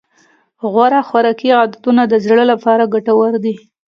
غوره خوراکي عادتونه د زړه لپاره ګټور دي.